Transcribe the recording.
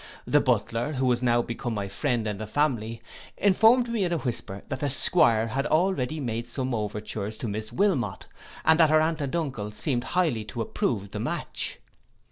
The butler, who was now become my friend in the family, informed me with a whisper, that the 'Squire had already made some overtures to Miss Wilmot, and that her aunt and uncle seemed highly to approve the match.